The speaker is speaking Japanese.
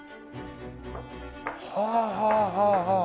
はあはあはあはあ。